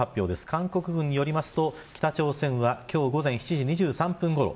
韓国軍によりますと北朝鮮は今日午前７時２３分ごろ